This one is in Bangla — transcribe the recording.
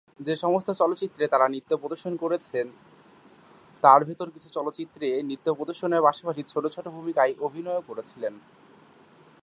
যে সমস্ত চলচ্চিত্রে তাঁরা নৃত্য প্রদর্শন করেছেন, তার ভিতর কিছু চলচ্চিত্রে নৃত্য প্রদর্শনের পাশাপাশি ছোটো ছোটো ভূমিকায় অভিনয়ও করেছিলেন।